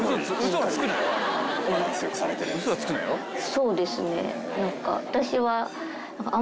そうですね。何か。